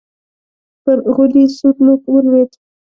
پر غولي سور نوک ولوېد.